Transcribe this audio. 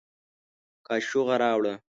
کاشوغه راوړه